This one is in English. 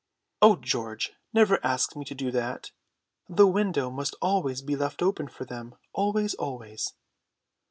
"O George, never ask me to do that. The window must always be left open for them, always, always."